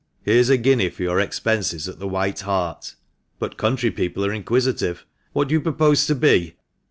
Here is a guinea for your expenses at the 'White Hart.' But country people are inquisitive; what do you propose to be?"